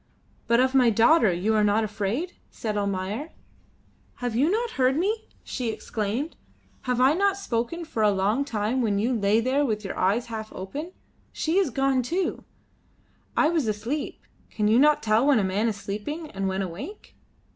"But of my daughter you are not afraid?" said Almayer. "Have you not heard me?" she exclaimed. "Have I not spoken for a long time when you lay there with eyes half open? She is gone too." "I was asleep. Can you not tell when a man is sleeping and when awake?"